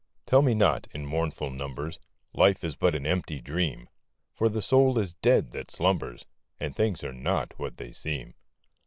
Tell me not, in mournful numbers, Life is but an empty dream ! For the soul is dead that slumbers. And things are not what they seem.